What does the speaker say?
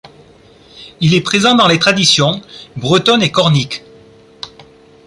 Il est présent dans les traditions, bretonne et cornique.